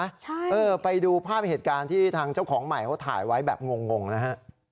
ใช่เออไปดูภาพเหตุการณ์ที่ทางเจ้าของใหม่เขาถ่ายไว้แบบงงนะฮะ